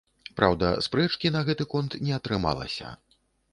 Праўда, спрэчкі на гэты конт не атрымалася.